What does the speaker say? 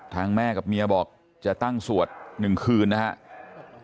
แม่กับเมียบอกจะตั้งสวด๑คืนนะครับ